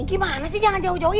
gimana sih jangan jauh jauh